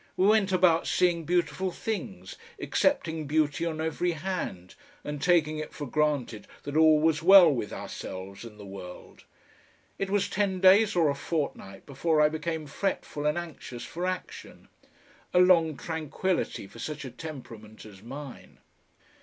We went about seeing beautiful things, accepting beauty on every hand, and taking it for granted that all was well with ourselves and the world. It was ten days or a fortnight before I became fretful and anxious for action; a long tranquillity for such a temperament as mine.